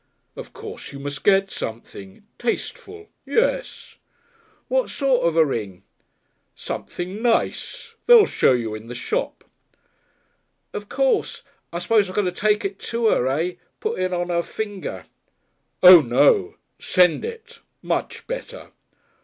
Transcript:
"Of course you must get something tasteful. Yes." "What sort of a ring?" "Something nace. They'll show you in the shop." "Of course. I 'spose I got to take it to 'er, eh? Put it on her finger." "Oh, no! Send it. Much better."